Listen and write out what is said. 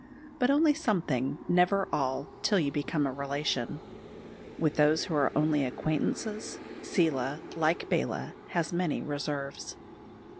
But only something, never all, till you become a relation; with those who are only acquaintances Seela, like Bala, has many reserves.